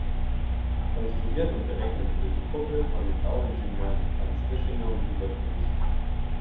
Konstruiert und berechnet wurde die Kuppel von den Bauingenieuren Franz Dischinger und Hubert Rüsch.